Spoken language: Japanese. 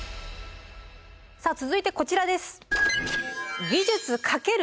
さあ続いてこちらです。